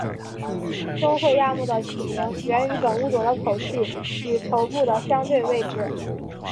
胸喙亚目的取名源于本物种的口器与头部的相对位置。